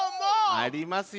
ありますよ。